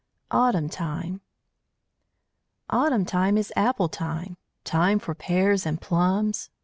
AUTUMN TIME Autumn time is apple time! Time for pears and plums.